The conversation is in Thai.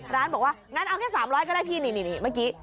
ร้านบอกว่างั้นเอาแค่๓๐๐ก็ได้พี่นี่เมื่อกี้